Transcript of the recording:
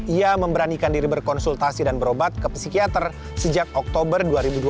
ia memberanikan diri berkonsultasi dan berobat ke psikiater sejak oktober dua ribu dua puluh